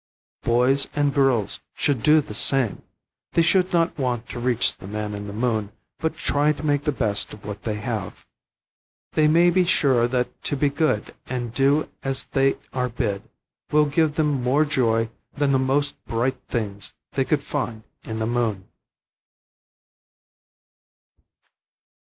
Boys and girls should do the same. They should not want to reach the man in the moon, but try to make the best of what they have. They may be sure that to be good and do as they are bid, will give them more joy than the most bright things they could find in the moon.